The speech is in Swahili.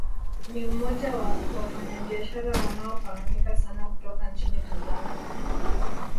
Ni mmoja wa wafanyabiashara wanaofahamika sana kutoka nchini Tanzania